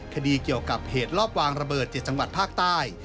คดีเกี่ยวกับเหตุรอบวางระเบิด๗จังหวัดภาคใต้